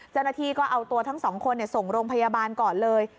เจ้าหน้าที่ก็เอาตัวทั้งสองคนส่งโรงพยาบาลก่อนเลย